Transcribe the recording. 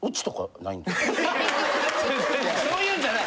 そういうんじゃない。